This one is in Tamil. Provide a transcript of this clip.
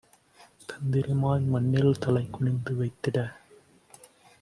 தந்திரமாய் மண்ணில் தலைகுனிந்து வைத்திட்ட